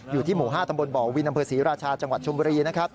อยู่ที่หมู่๕ตำบลบ่อวินนศรีราชาจังหวัดชุมบุรี